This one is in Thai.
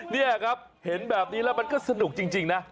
นี่ครับเห็นแบบนี้แล้วมันก็สนุกจริงนะ